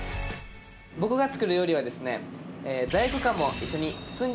僕が作る料理はですね